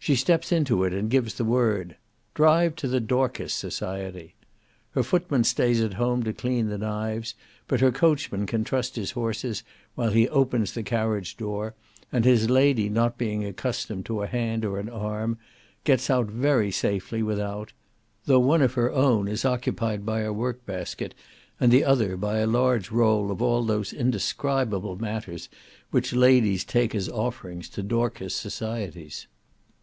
She steps into it, and gives the word, "Drive to the Dorcas society." her footman stays at home to clean the knives, but her coachman can trust his horses while he opens the carriage door, and his lady not being accustomed to a hand or an arm, gets out very safely without, though one of her own is occupied by a work basket, and the other by a large roll of all those indescribable matters which ladies take as offerings to Dorcas societies.